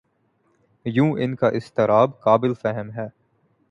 یوں ان کا اضطراب قابل فہم ہے۔